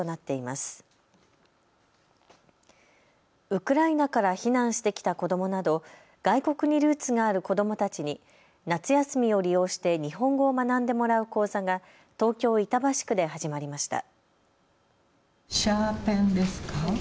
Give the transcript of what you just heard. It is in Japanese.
ウクライナから避難してきた子どもなど外国にルーツがある子どもたちに夏休みを利用して日本語を学んでもらう講座が東京板橋区で始まりました。